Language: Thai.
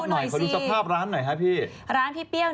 น่าจะประมาณเกือบถึงลม